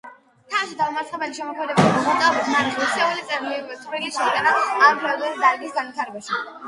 თავისი დაუცხრომელი შემოქმედებითი მოღვაწეობით მან ღირსეული წვლილი შეიტანა ამ ფუნდამენტური დარგის განვითარებაში.